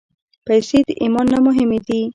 پېسې د ایمان نه مهمې نه دي.